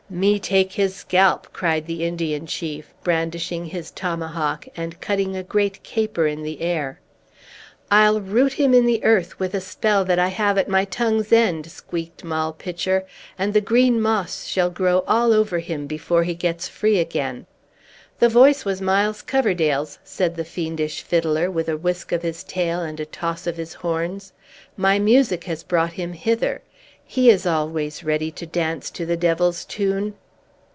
"Me take his scalp!" cried the Indian chief, brandishing his tomahawk, and cutting a great caper in the air. "I'll root him in the earth with a spell that I have at my tongue's end!" squeaked Moll Pitcher. "And the green moss shall grow all over him, before he gets free again!" "The voice was Miles Coverdale's," said the fiendish fiddler, with a whisk of his tail and a toss of his horns. "My music has brought him hither. He is always ready to dance to the Devil's tune!"